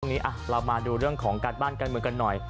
เรามาดูเรื่องของการบ้านการเมืองกันหน่อย